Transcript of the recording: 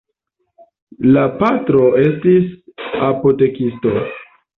La patro estis apotekisto.